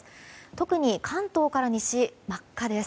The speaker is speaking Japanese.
特に関東から西、真っ赤です。